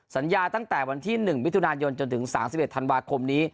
สัญญาตั้งแต่วันที่๑มิถุนายนจนถึง๓๑ธันวาคมนี้